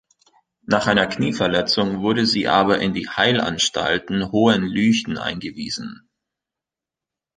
Nach einer Knieverletzung wurde sie aber in die Heilanstalten Hohenlychen eingewiesen.